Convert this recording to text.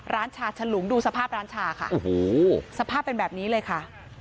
ชาฉลุงดูสภาพร้านชาค่ะโอ้โหสภาพเป็นแบบนี้เลยค่ะ